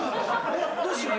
どうしよう。